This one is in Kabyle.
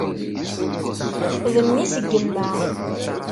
D mmi-s n yemma.